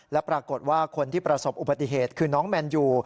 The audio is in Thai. และปรากฏว่าคนที่ประสบอุบัติเหตุคือน้องแมนยู